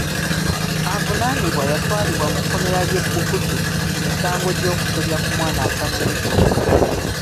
Avunaanibwa yatwalibwa mu kkomera ly'e Gbukutu ku misango gy'okusobya ku mwana atanneetuuka.